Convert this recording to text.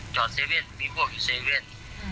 จอดเซเว่นมีพวกอยู่เซเว่น